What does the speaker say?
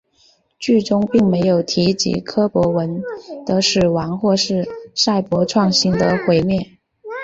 剧中并没有提及柯博文的死亡或是赛博创星的毁灭。